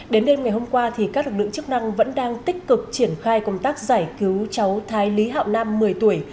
đến đêm ngày hôm qua các lực lượng chức năng vẫn đang tích cực triển khai công tác giải cứu cháu thái lý hạo nam một mươi tuổi